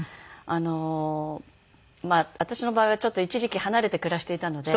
私の場合はちょっと一時期離れて暮らしていたので。